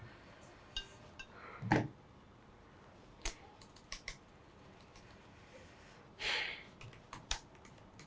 aku lagi kangen banget sama ibu